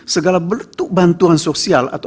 segala bentuk bantuan sosial atau